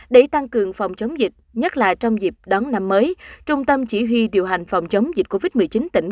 để tăng cường phòng chống dịch nhất là trong dịp đón năm mới trung tâm chỉ huy điều hành phòng chống dịch covid một mươi chín tỉnh